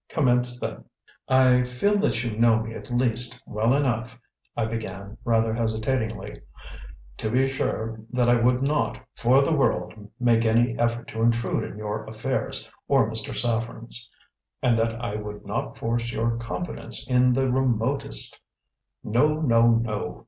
Commence then." "I feel that you know me at least well enough," I began rather hesitatingly, "to be sure that I would not, for the world, make any effort to intrude in your affairs, or Mr. Saffren's, and that I would not force your confidence in the remotest " "No, no, no!"